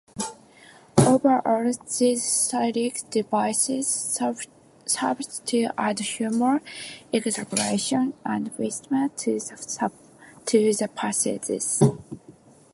Overall, these stylistic devices serve to add humor, exaggeration, and whimsy to the passages.